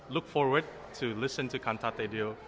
tunggu tunggu untuk mendengar cantate deo